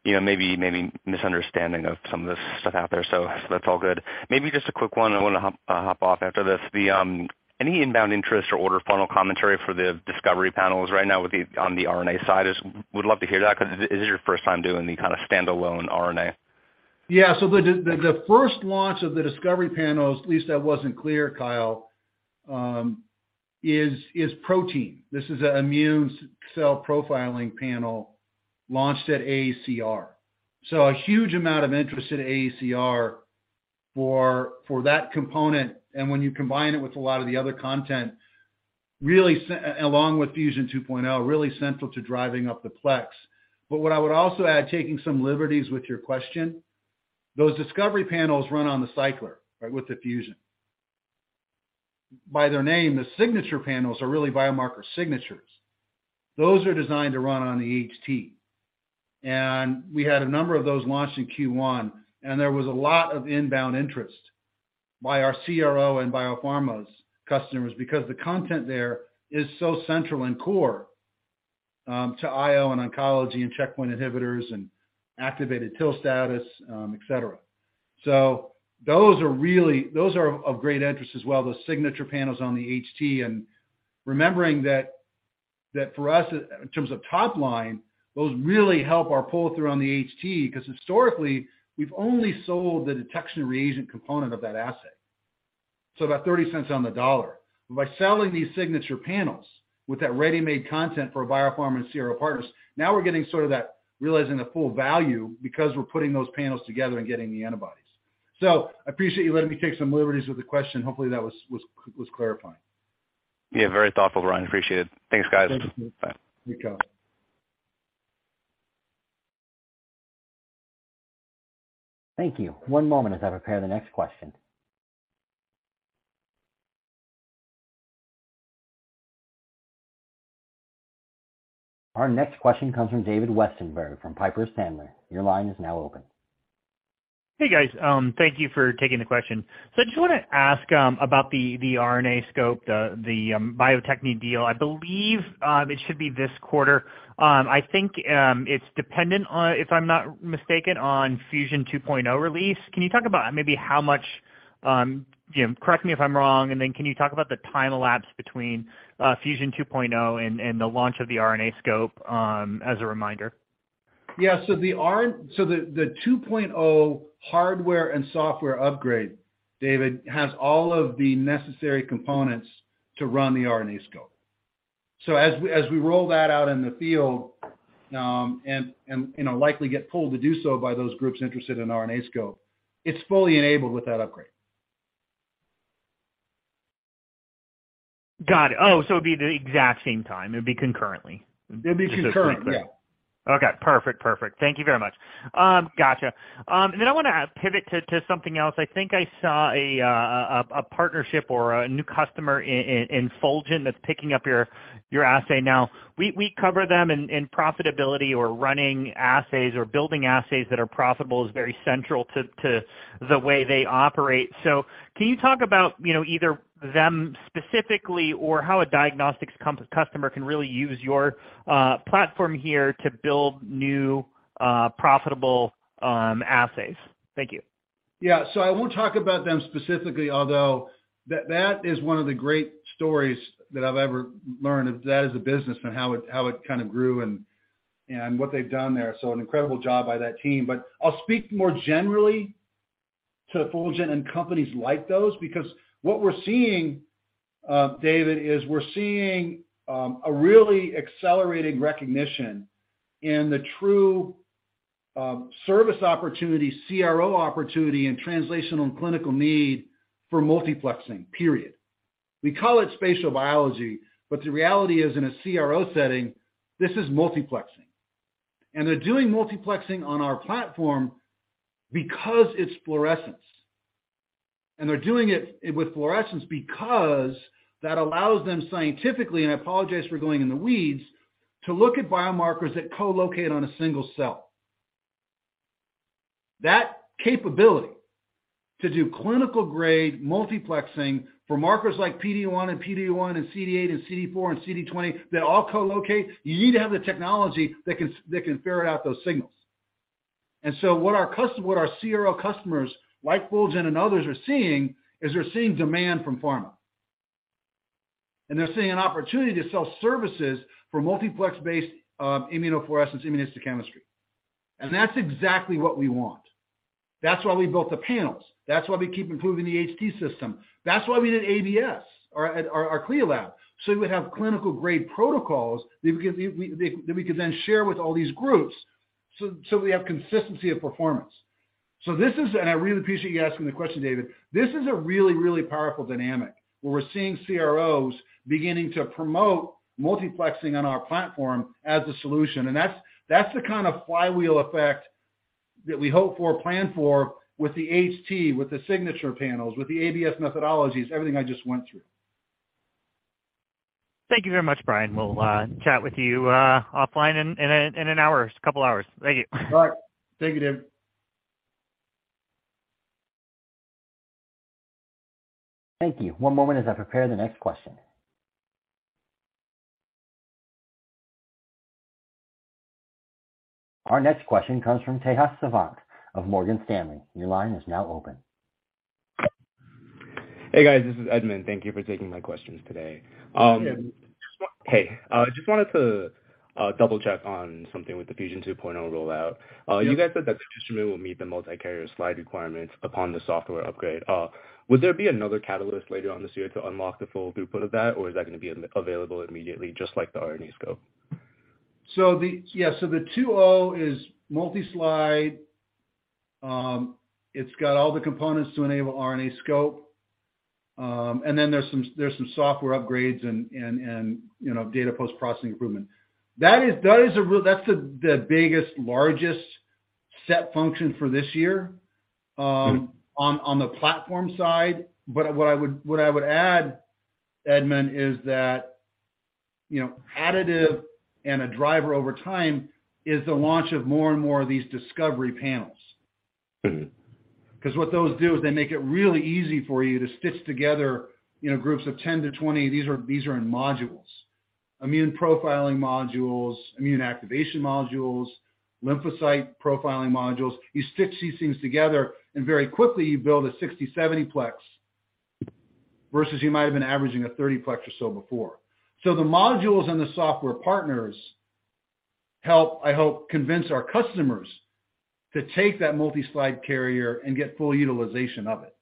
you know, maybe misunderstanding of some of this stuff out there. That's all good. Maybe just a quick one, I wanna hop off after this. The any inbound interest or order funnel commentary for the discovery panels right now on the RNA side is... Would love to hear that 'cause this is your first time doing the kinda standalone RNA. Yeah. The first launch of the discovery panels, at least that wasn't clear, Kyle, is protein. This is an immune cell profiling panel launched at AACR. A huge amount of interest at AACR for that component, and when you combine it with a lot of the other content, really along with Fusion 2.0, really central to driving up the plex. What I would also add, taking some liberties with your question, those discovery panels run on the cycler, right, with the Fusion. By their name, the signature panels are really biomarker signatures. Those are designed to run on the HT. We had a number of those launched in Q1, and there was a lot of inbound interest by our CRO and Biopharma customers because the content there is so central and core to IO and oncology and checkpoint inhibitors and activated TIL status, et cetera. Those are really of great interest as well, those signature panels on the HT. Remembering that for us, in terms of top line, those really help our pull-through on the HT, because historically, we've only sold the detection reagent component of that assay, so about $0.30 on the dollar. By selling these signature panels with that ready-made content for Biopharma and CRO partners, now we're getting sort of that, realizing the full value because we're putting those panels together and getting the antibodies. I appreciate you letting me take some liberties with the question. Hopefully that was clarifying. Yeah. Very thoughtful, Brian. Appreciate it. Thanks, guys. Thank you. Bye. You got it. Thank you. One moment as I prepare the next question. Our next question comes from David Westenberg from Piper Sandler. Your line is now open. Hey, guys. Thank you for taking the question. I just wanna ask about the RNAscope, the Bio-Techne deal. I believe it should be this quarter. I think it's dependent on, if I'm not mistaken, on Fusion 2.0 release. Can you talk about maybe how much, you know, correct me if I'm wrong, can you talk about the time elapsed between Fusion 2.0 and the launch of the RNAscope, as a reminder? Yeah. The 2.0 hardware and software upgrade, David, has all of the necessary components to run the RNAscope. As we roll that out in the field, and, you know, likely get pulled to do so by those groups interested in RNAscope, it's fully enabled with that upgrade. Got it. Oh, it'd be the exact same time. It'd be concurrently. It'd be concurrent. Yeah. Okay. Perfect. Perfect. Thank you very much. Gotcha. Then I wanna pivot to something else. I think I saw a partnership or a new customer in Fulgent that's picking up your assay now. We cover them in profitability or running assays or building assays that are profitable is very central to the way they operate. Can you talk about, you know, either them specifically or how a diagnostics customer can really use your platform here to build new, profitable assays? Thank you. Yeah. I won't talk about them specifically, although that is one of the great stories that I've ever learned of that as a businessman, how it kind of grew and what they've done there. An incredible job by that team. I'll speak more generally to Fulgent and companies like those, because what we're seeing, David, is we're seeing a really accelerating recognition in the true service opportunity, CRO opportunity and translational and clinical need for multiplexing, period. We call it spatial biology, but the reality is, in a CRO setting, this is multiplexing. They're doing multiplexing on our platform because it's fluorescence. They're doing it with fluorescence because that allows them scientifically, and I apologize for going in the weeds, to look at biomarkers that co-locate on a single cell. That capability to do clinical-grade multiplexing for markers like PD-1 and PD-L1 and CD8 and CD4 and CD20 that all co-locate, you need to have the technology that can ferret out those signals. What our CRO customers like Fulgent and others are seeing, is they're seeing demand from pharma. They're seeing an opportunity to sell services for multiplex-based immunofluorescence, immunohistochemistry. That's exactly what we want. That's why we built the panels. That's why we keep improving the HT system. That's why we did ABS at our CLIA lab, so we would have clinical-grade protocols that we could then share with all these groups, so we have consistency of performance. This is. I really appreciate you asking the question, David. This is a really, really powerful dynamic, where we're seeing CROs beginning to promote multiplexing on our platform as a solution. That's the kind of flywheel effect that we hope for, plan for with the HT, with the signature panels, with the ABS methodologies, everything I just went through. Thank you very much, Brian. We'll chat with you offline in an hour, couple hours. Thank you. All right. Thank you, David. Thank you. One moment as I prepare the next question. Our next question comes from Tejas Savant of Morgan Stanley. Your line is now open. Hey, guys, this is Edmund. Thank you for taking my questions today. Yes. Hey, I just wanted to double-check on something with the PhenoCycler-Fusion 2.0 rollout. Yeah. You guys said that the instrument will meet the multi-carrier slide requirements upon the software upgrade. Would there be another catalyst later on this year to unlock the full throughput of that, or is that gonna be available immediately, just like the RNAscope? Yeah. The 2.0 is multi-slide. It's got all the components to enable RNAscope. And then there's some, there's some software upgrades and, you know, data post-processing improvement. That's the biggest, largest set function for this year on the platform side. What I would add, Edmund, is that, you know, additive and a driver over time is the launch of more and more of these discovery panels. Mm-hmm. 'Cause what those do is they make it really easy for you to stitch together, you know, groups of 10-20. These are in modules. Immune profiling modules, immune activation modules, lymphocyte profiling modules. You stitch these things together, and very quickly you build a 60, 70 plex. Versus you might have been averaging a 30 plex or so before. The modules and the software partners help, I hope, convince our customers to take that multi-slide carrier and get full utilization of it.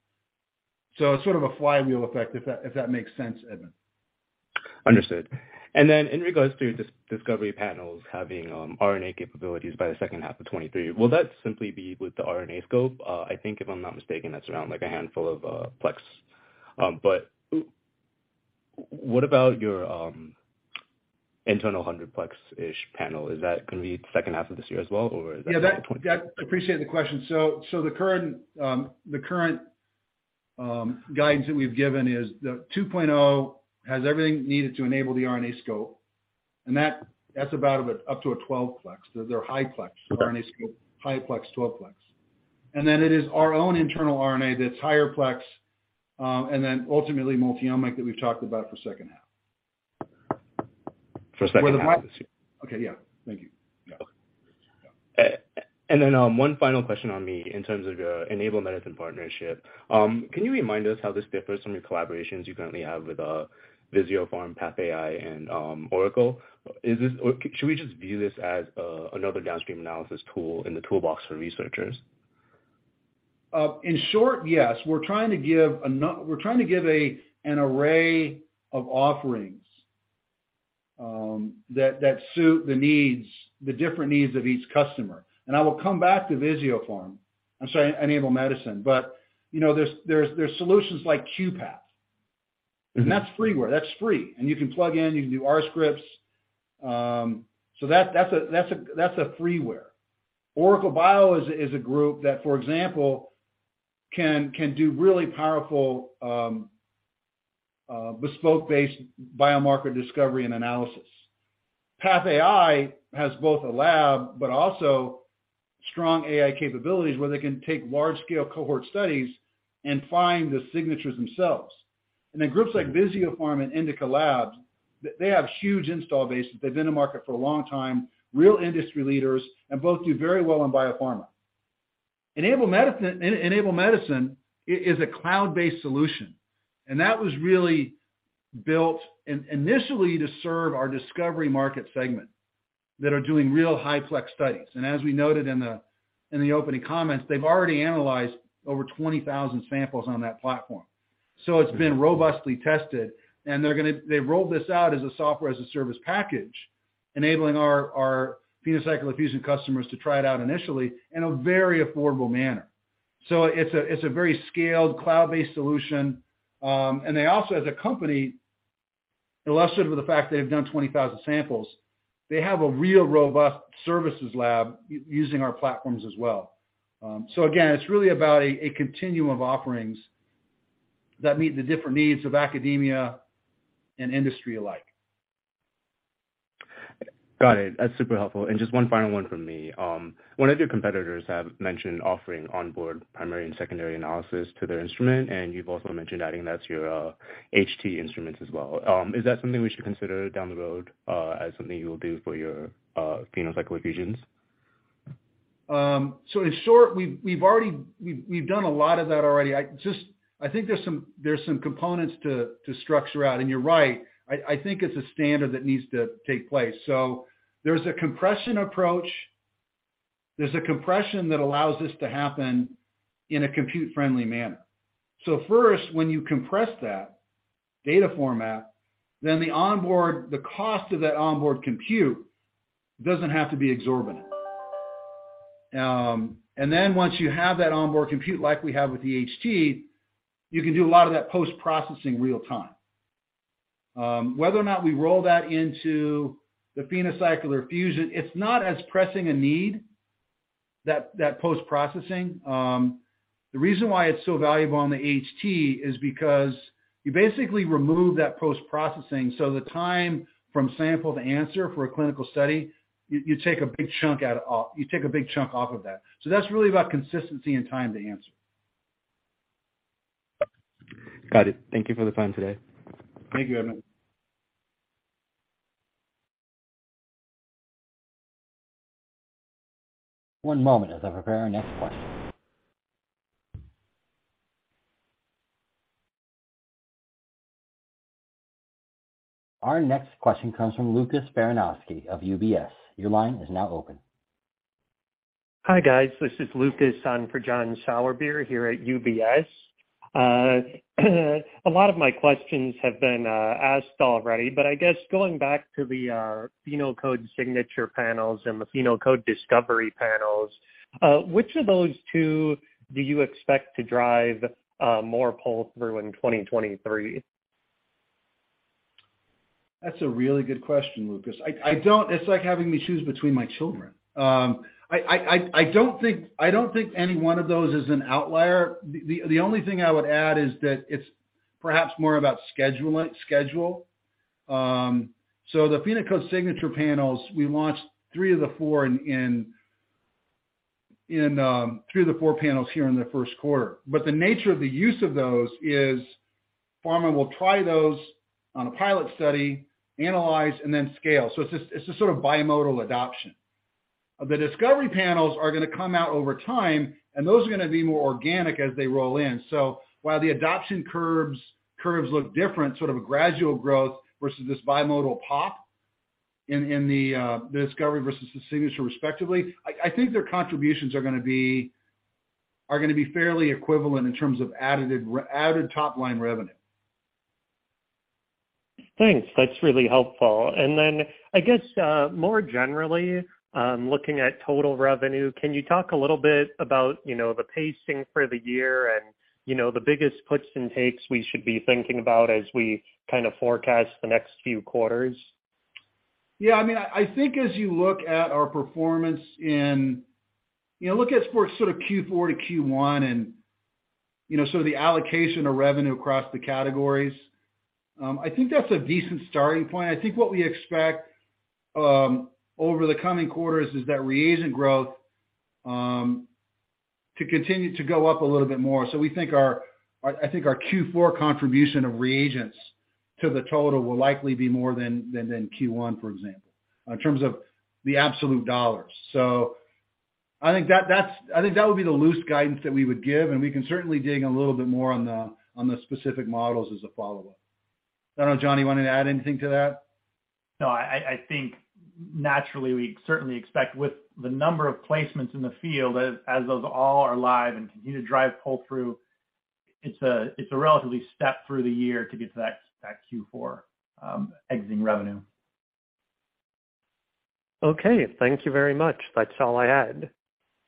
So it's sort of a flywheel effect, if that, if that makes sense, Edmund. Understood. In regards to discovery panels having RNA capabilities by the H2 of 2023, will that simply be with the RNAscope? I think, if I'm not mistaken, that's around like a handful of plex. But what about your internal 100 plex-ish panel? Is that gonna be H2 of this year as well, or is that at that point? Yeah, that... I appreciate the question. The current guidance that we've given is the 2.0 has everything needed to enable the RNAscope. That's about up to a 12 plex. They're high plex, the RNAscope, high plex, 12 plex. It is our own internal RNA that's higher plex, and then ultimately multi-omic that we've talked about for H2. For H2 of this year. Okay. Yeah. Thank you. Yeah. One final question on me in terms of your Enable Medicine partnership. Can you remind us how this differs from your collaborations you currently have with Visiopharm, PathAI and OracleBio? Is this? Or should we just view this as another downstream analysis tool in the toolbox for researchers? In short, yes. We're trying to give an array of offerings, that suit the needs, the different needs of each customer. I will come back to Visiopharm. I'm sorry, Enable Medicine. You know, there's solutions like QuPath, and that's freeware, that's free. You can plug in, you can do R scripts. That's a freeware. OracleBio is a group that, for example, can do really powerful, bespoke-based biomarker discovery and analysis. PathAI has both a lab but also strong AI capabilities where they can take large scale cohort studies and find the signatures themselves. Groups like Visiopharm and Indica Labs, they have huge install bases. They've been in the market for a long time, real industry leaders, and both do very well in biopharma. Enable Medicine is a cloud-based solution, and that was really built initially to serve our discovery market segment that are doing real high-plex studies. As we noted in the opening comments, they've already analyzed over 20,000 samples on that platform. It's been robustly tested, and they're gonna they've rolled this out as a software as a service package, enabling our PhenoCycler-Fusion customers to try it out initially in a very affordable manner. It's a very scaled, cloud-based solution. They also, as a company, illustrated with the fact they've done 20,000 samples, they have a real robust services lab using our platforms as well. Again, it's really about a continuum of offerings that meet the different needs of academia and industry alike. Got it. That's super helpful. Just one final one from me. One of your competitors have mentioned offering onboard primary and secondary analysis to their instrument, and you've also mentioned adding that to your HT instruments as well. Is that something we should consider down the road as something you will do for your PhenoCycler-Fusion? In short, we've already done a lot of that already. I think there's some components to structure out. You're right, I think it's a standard that needs to take place. There's a compression approach. There's a compression that allows this to happen in a compute friendly manner. First, when you compress that data format, then the onboard, the cost of that onboard compute doesn't have to be exorbitant. Once you have that onboard compute like we have with the HT, you can do a lot of that post-processing real time. Whether or not we roll that into the PhenoCycler-Fusion, it's not as pressing a need, that post-processing. The reason why it's so valuable on the HT is because you basically remove that post-processing, so the time from sample to answer for a clinical study, you take a big chunk off of that. That's really about consistency and time to answer. Got it. Thank you for the time today. Thank you, Edmund. One moment as I prepare our next question. Our next question comes from Lucas Baranowski of UBS. Your line is now open. Hi, guys. This is Lucas on for John Sourbeer here at UBS. A lot of my questions have been asked already, but I guess going back to the PhenoCode Signature Panels and the PhenoCode Discovery Panels, which of those two do you expect to drive more pulse through in 2023? That's a really good question, Lucas. I don't. It's like having me choose between my children. I don't think any one of those is an outlier. The only thing I would add is that it's perhaps more about schedule. The PhenoCode Signature Panels, we launched three of the four in three of the four panels here in the Q1. The nature of the use of those is pharma will try those on a pilot study, analyze and then scale. It's this sort of bimodal adoption. The discovery panels are going to come out over time, and those are going to be more organic as they roll in. While the adoption curves look different, sort of a gradual growth versus this bimodal pop in the discovery versus the signature respectively, I think their contributions are going to be fairly equivalent in terms of added top line revenue. Thanks. That's really helpful. I guess, more generally, looking at total revenue, can you talk a little bit about, you know, the pacing for the year and, you know, the biggest puts and takes we should be thinking about as we kind of forecast the next few quarters? Yeah. I mean, I think as you look at our performance in, you know, look at sort of Q4 to Q1 and, you know, so the allocation of revenue across the categories. I think that's a decent starting point. I think what we expect over the coming quarters is that reagent growth to continue to go up a little bit more. I think our Q4 contribution of reagents to the total will likely be more than Q1, for example, in terms of the absolute dollars. I think that would be the loose guidance that we would give, and we can certainly dig a little bit more on the specific models as a follow-up. I don't know, John, you want to add anything to that? No. I think naturally we certainly expect with the number of placements in the field as those all are live and continue to drive pull through. It's a relatively step through the year to get to that Q4 exiting revenue. Okay. Thank you very much. That's all I had.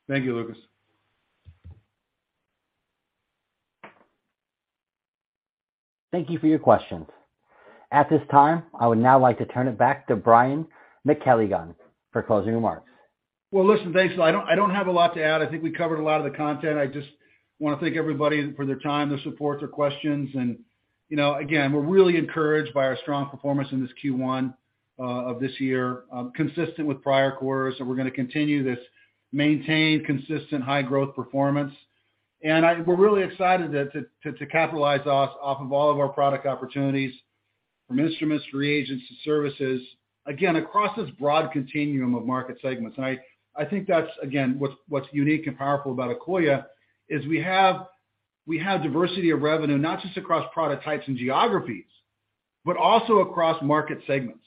Thank you, Lucas. Thank you for your questions. At this time, I would now like to turn it back to Brian McKelligon for closing remarks. Well, listen, thanks. I don't have a lot to add. I think we covered a lot of the content. I just wanna thank everybody for their time, their support, their questions. You know, again, we're really encouraged by our strong performance in this Q1 of this year, consistent with prior quarters. We're gonna continue this, maintain consistent high-growth performance. We're really excited to capitalize off of all of our product opportunities from instruments, reagents to services, again, across this broad continuum of market segments. I think that's again, what's unique and powerful about Akoya is we have diversity of revenue, not just across product types and geographies, but also across market segments.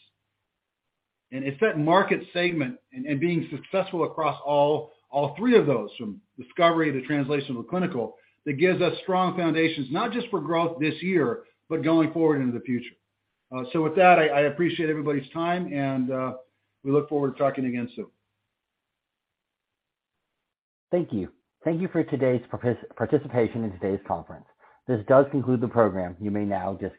It's that market segment and being successful across all three of those, from discovery to translational to clinical, that gives us strong foundations, not just for growth this year, but going forward into the future. With that, I appreciate everybody's time and we look forward to talking again soon. Thank you. Thank you for today's participation in today's conference. This does conclude the program. You may now disconnect.